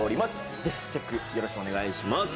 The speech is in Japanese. ぜひチェック、よろしくお願いします。